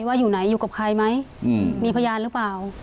ว่าอยู่ไหนอยู่กับใครไหมมีพยานหรือเปล่า